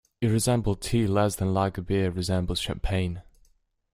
It resembled tea less than lager beer resembles champagne.